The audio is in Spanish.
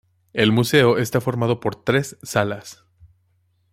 El museo está formado por tres salas.